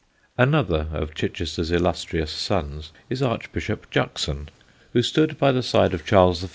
Another of Chichester's illustrious sons is Archbishop Juxon, who stood by the side of Charles I.